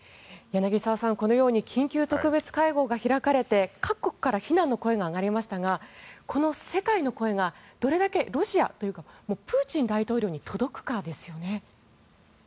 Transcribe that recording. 柳澤さん、このように緊急特別会合が開かれて各国から非難の声が上がりましたがこの世界の声がどれだけロシアというかプーチン大統領に届くかですよね。